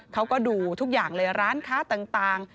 เขาก็ดูทุกอย่างเลยร้านค้าต่าง